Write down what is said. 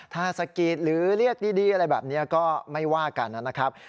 ถ้าสกีดหรือเรียกดีอะไรแบบนี้ก็ไม่ว่ากันนะครับ